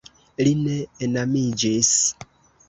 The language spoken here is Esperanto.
Li ne enamiĝis.